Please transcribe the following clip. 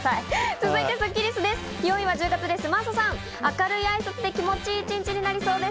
続いてスッキりすです。